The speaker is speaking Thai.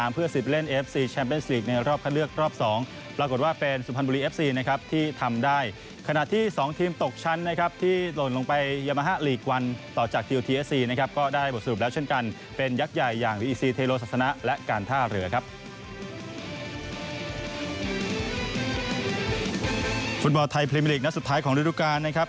ฟุตบอลไทยพรีมลีกนัดสุดท้ายของฤดูกาลนะครับ